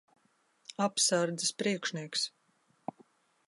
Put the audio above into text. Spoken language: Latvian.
Apsardzes priekšnieks.